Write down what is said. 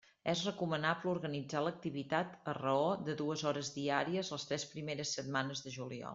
És recomanable organitzar l'activitat a raó de dues hores diàries les tres primeres setmanes de juliol.